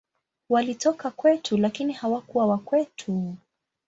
Walitoka kwetu, lakini hawakuwa wa kwetu.